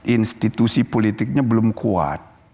institusi politiknya belum kuat